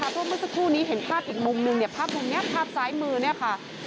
เพราะเมื่อสักครู่นี้เห็นภาพอีกมุมนึงเนี่ยภาพมุมนี้ภาพซ้ายมือเนี่ยค่ะ